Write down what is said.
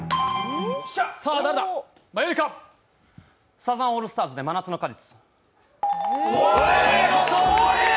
サザンオールスターズで「真夏の果実」。